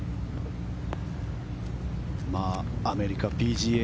アメリカＰＧＡ